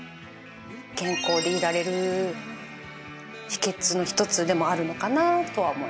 健康でいられる秘訣の一つでもあるのかなとは思いますね。